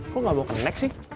kok nggak bawa kenec sih